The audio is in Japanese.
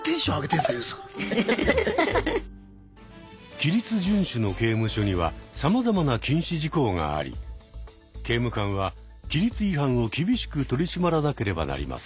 規律順守の刑務所にはさまざまな禁止事項があり刑務官は規律違反を厳しく取り締まらなければなりません。